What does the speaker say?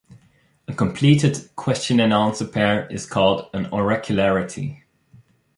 A completed question-and-answer pair is called an "Oracularity".